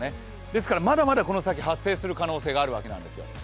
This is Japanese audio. ですからまだまだこの先発生する可能性があるわけなんですよ。